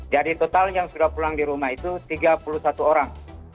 jadi total yang sudah pulang di rumah itu tiga puluh satu orang